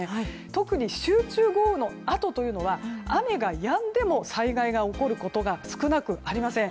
特に集中豪雨のあとというのは雨がやんでも災害が起こることが少なくありません。